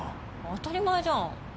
当たり前じゃん。